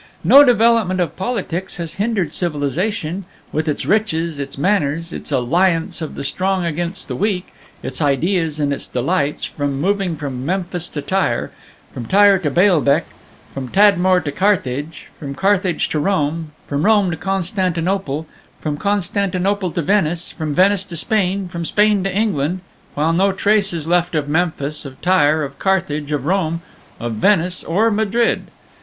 "No development of politics has hindered civilization, with its riches, its manners, its alliance of the strong against the weak, its ideas, and its delights, from moving from Memphis to Tyre, from Tyre to Baalbek, from Tadmor to Carthage, from Carthage to Rome, from Rome to Constantinople, from Constantinople to Venice, from Venice to Spain, from Spain to England while no trace is left of Memphis, of Tyre, of Carthage, of Rome, of Venice, or Madrid.